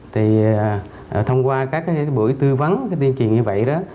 thì thông qua các cái buổi tư vấn cái tuyên truyền như vậy đó